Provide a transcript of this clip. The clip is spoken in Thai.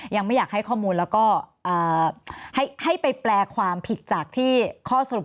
ยังไม่อยากให้ข้อมูลแล้วก็ให้ไปแปลความผิดจากที่ข้อสรุป